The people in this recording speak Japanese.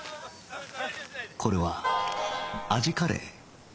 これは味カレー